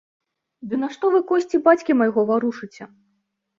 Ды нашто вы косці бацькі майго варушыце?